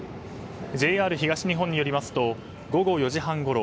ＪＲ東日本によりますと午後４時半ごろ